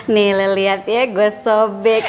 nih liat liat ya gue sobek